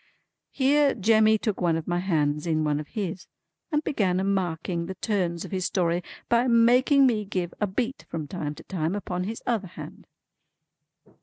Here Jemmy took one of my hands in one of his, and began a marking the turns of his story by making me give a beat from time to time upon his other hand.